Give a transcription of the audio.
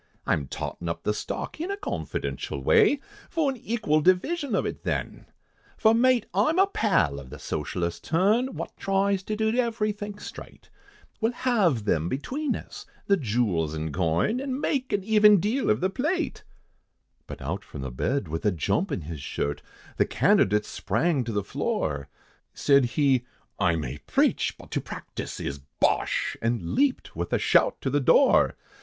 I'm tottin' up the stock, in a confidential way, For an equal division of it then, For mate, I'm a pal of a Socialistic turn, Wot tries to do everythink straight, We'll halve them between us, the jewels and coin, An' make an even deal of the plate." But out from the bed, with a jump in his shirt, The candidate sprang to the floor, Said he, "I may preach, but to practice is bosh!" And leaped with a shout to the door.